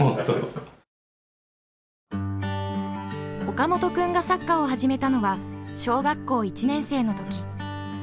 岡本君がサッカーを始めたのは小学校１年生の時。